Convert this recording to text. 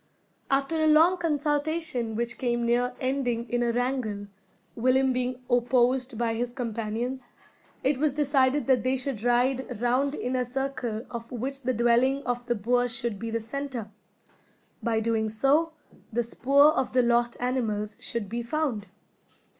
After a long consultation which came near ending in a wrangle, Willem being opposed by his companions, it was decided that they should ride round in a circle of which the dwelling of the boer should be the centre. By so doing, the spoor of the lost animals should be found.